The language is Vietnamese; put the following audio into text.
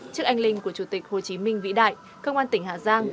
trước anh linh của chủ tịch hồ chí minh vĩ đại công an tỉnh hà giang